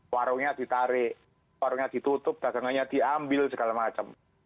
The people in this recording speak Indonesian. warungnya ditarik warungnya ditutup dagangannya diambil segala macam